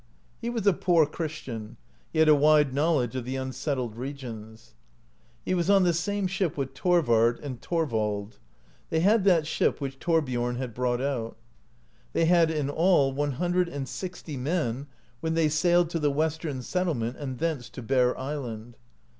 He was a poor Christian; he had a wide knowledge of the unsettled regions. He was on the same ship with Thor vard and Thorvald. They had that ship which Thor biorn had brought out. They had in all one hundred and sixty men, when they sailed to the Western settlement (45), and thence to Bear Island.